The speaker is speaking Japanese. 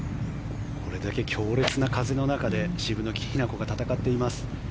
これだけ強烈な風の中で渋野日向子が戦っています。